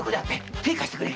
手え貸してくれ！